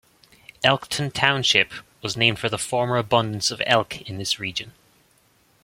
Elkton Township was named for the former abundance of elk in this region.